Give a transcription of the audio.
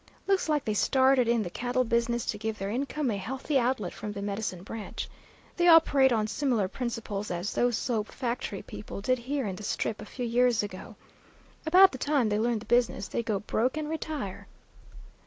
Looks like they started in the cattle business to give their income a healthy outlet from the medicine branch. They operate on similar principles as those soap factory people did here in the Strip a few years ago. About the time they learn the business they go broke and retire.